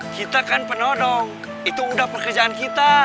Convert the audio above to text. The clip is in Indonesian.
kita kan penodong itu udah pekerjaan kita